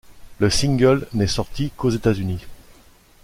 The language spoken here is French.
Le single n'est sorti qu'aux États-Unis.